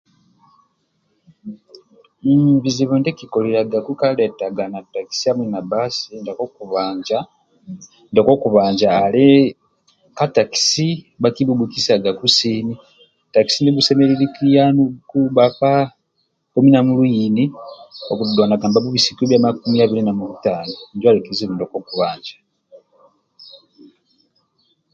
Hhh bizibu ndie kikikoliliagaku ka dhetaga na takisi hamui na bbasi ndiakokubanja ndiakokubanja ali ka takisi bhakibhubhikisagaku sini takisi ndio bhusemelelu likilianuku bhakpa komi namulu ini okudulanaga nibhabhubisiku makumi abili na mulutano injo ali kizibu ndiakokubanja